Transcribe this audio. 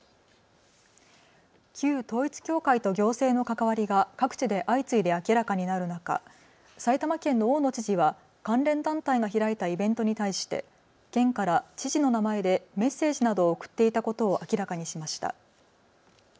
旧統一教会と行政の関わりが各地で相次いで明らかになる中、埼玉県の大野知事は関連団体が開いたイベントに対して県から知事の名前でメッセージなどを送っていたことを明らかにしました。